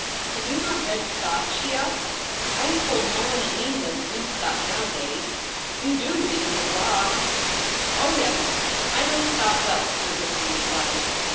' Have you not read Scott ?' she asked. ' I am told no one in Eno^land reads Scott nowadays. We do read him abroad.' ' Oh yes ! I know Scott well,' Sir Victor re plied.